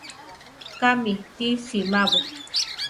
Kámi ti simabo?